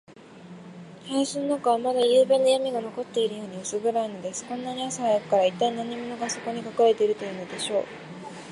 林の中は、まだゆうべのやみが残っているように、うす暗いのです。こんなに朝早くから、いったい何者が、そこにかくれているというのでしょう。